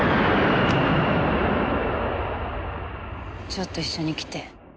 ちょっと一緒に来て。